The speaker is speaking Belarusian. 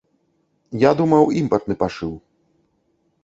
Я думаў, імпартны пашыў.